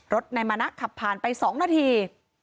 รถนายมานักขับผ่านไปสองนาที